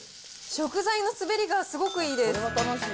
食材の滑りがすごくいいです。